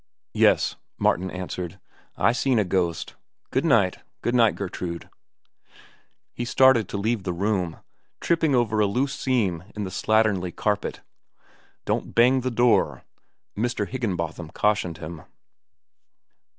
"Yes," Martin answered. "I seen a ghost. Good night. Good night, Gertrude." He started to leave the room, tripping over a loose seam in the slatternly carpet. "Don't bang the door," Mr. Higginbotham cautioned him.